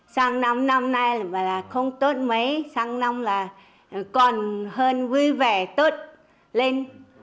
sáng năm năm nay bảo là không tốt mấy sáng năm là còn hơn vui vẻ tốt lên